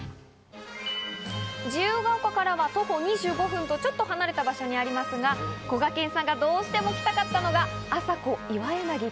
自由が丘からは徒歩２５分とちょっと離れた場所にありますが、こがけんさんがどうしても来たかったのが、ＡＳＡＫＯＩＷＡＹＡＮＡＧＩＰＬＵＳ。